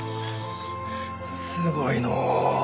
すごいのう。